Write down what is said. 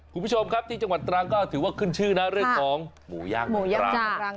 คุณผู้ชมครับที่จังหวัดตรังก็ถือว่าขึ้นชื่อนะเรื่องของหมูย่างหมูย่างรัง